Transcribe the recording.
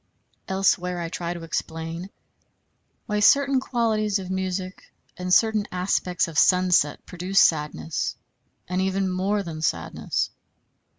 Elsewhere I try to explain why certain qualities of music, and certain aspects of sunset produce sadness, and even more than sadness.